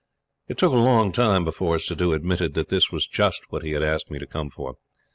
It took a long time before Suddhoo admitted that this was just what he had asked me to come for.